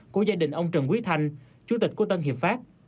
của gia đình ông trần quý thanh chủ tịch của tân hiệp pháp